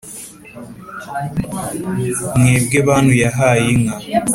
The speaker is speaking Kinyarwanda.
mwebwe bantu yahaye inka